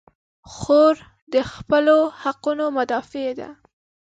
خور د خپلو حقونو مدافع ده.